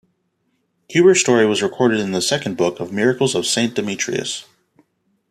Kuber's story was recorded in the second book of the "Miracles of Saint Demetrius".